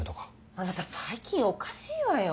あなた最近おかしいわよ